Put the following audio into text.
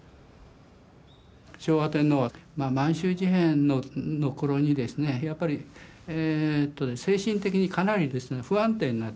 昭和天皇は満州事変の頃にですねやっぱり精神的にかなり不安定になってると。